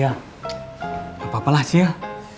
gak apa apalah cil